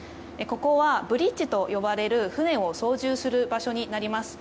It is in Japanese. ここはブリッジと呼ばれる船を操縦する場所です。